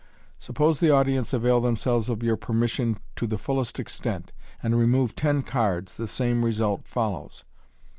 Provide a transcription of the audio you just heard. Suppose the audience avail themselves of your permission to the fullest extent, and remove ten cards, the same result follows.